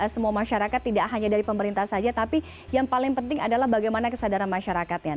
semua masyarakat tidak hanya dari pemerintah saja tapi yang paling penting adalah bagaimana kesadaran masyarakatnya